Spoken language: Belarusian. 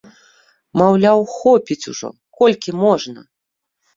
Маўляў, хопіць ужо, колькі можна!